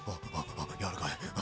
あ柔らかい！